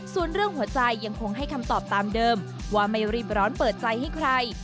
ส่วนเรื่องหัวใจยังคงให้คำตอบตามเดิมว่าไม่รีบร้อนเปิดใจให้ใคร